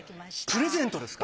プレゼントですか？